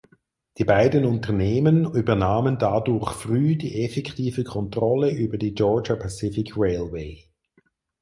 Die beiden Unternehmen übernahmen dadurch früh die effektive Kontrolle über die Georgia Pacific Railway.